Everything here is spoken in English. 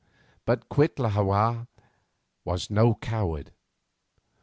But Cuitlahua was no coward.